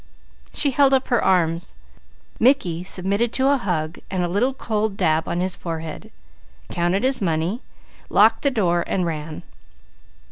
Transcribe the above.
She held up her arms. Mickey submitted to a hug and a little cold dab on his forehead, counted his money, locked the door and ran.